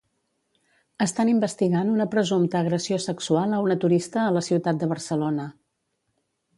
Estan investigant una presumpta agressió sexual a una turista a la ciutat de Barcelona.